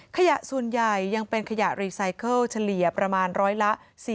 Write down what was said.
ขยะส่วนใหญ่ยังเป็นขยะรีไซเคิลเฉลี่ยประมาณร้อยละ๔๐